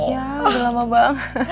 iya udah lama banget